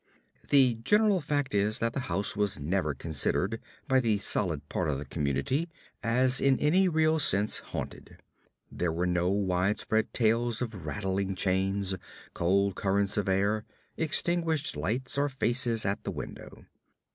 The general fact is, that the house was never regarded by the solid part of the community as in any real sense "haunted." There were no widespread tales of rattling chains, cold currents of air, extinguished lights, or faces at the window.